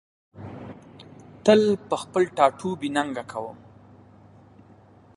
تل په خپل ټاټوبي ننګه کوم